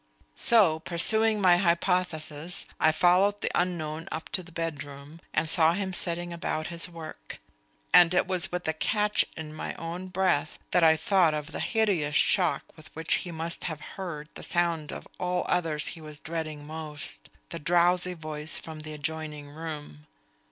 So, pursuing my hypothesis, I followed the unknown up to the bedroom, and saw him setting about his work. And it was with a catch in my own breath that I thought of the hideous shock with which he must have heard the sound of all others he was dreading most: the drowsy voice from the adjoining room.